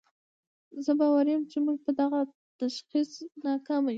زه باوري یم چې موږ په دغه تشخیص کې ناکامه یو.